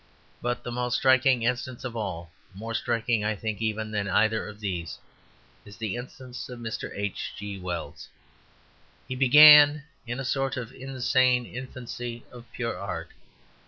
But the most striking instance of all, more striking, I think, even than either of these, is the instance of Mr. H. G. Wells. He began in a sort of insane infancy of pure art.